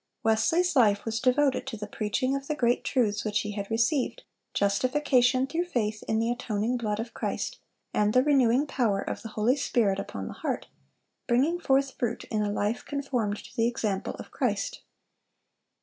Wesley's life was devoted to the preaching of the great truths which he had received,—justification through faith in the atoning blood of Christ, and the renewing power of the Holy Spirit upon the heart, bringing forth fruit in a life conformed to the example of Christ.